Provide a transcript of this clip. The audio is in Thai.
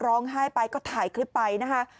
ร้องไห้ไปก็ถ่ายคลิปไปนะคะ